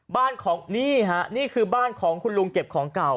บ้านของนี่ฮะนี่คือบ้านของคุณลุงเก็บของเก่า